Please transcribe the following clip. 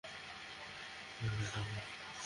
এই দিল্লির ছেলেটা কে?